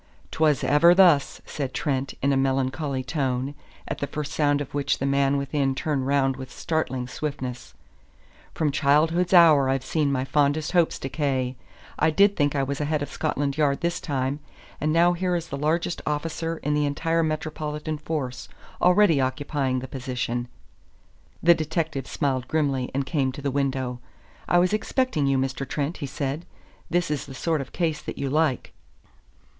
"'Twas ever thus," said Trent in a melancholy tone, at the first sound of which the man within turned round with startling swiftness. "From childhood's hour I've seen my fondest hopes decay. I did think I was ahead of Scotland Yard this time, and now here is the largest officer in the entire Metropolitan force already occupying the position." The detective smiled grimly and came to the window. "I was expecting you, Mr. Trent," he said. "This is the sort of case that you like."